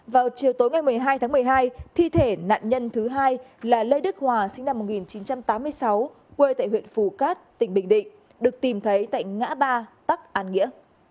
vào chiều tối ngày một mươi hai tháng một mươi hai thi thể nạn nhân thứ hai là lê đức hòa sinh năm một nghìn chín trăm tám mươi sáu quê tại huyện phù cát tỉnh bình định được tìm thấy tại ngã ba tắc an nghĩa